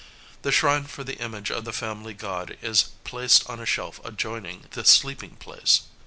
The shrine for the image of the family god is placed on a shelf adjoining the sleeping place.